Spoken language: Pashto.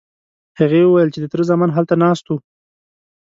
هغې وویل چې د تره زامن هلته ناست وو.